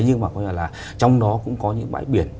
nhưng mà trong đó cũng có những bãi biển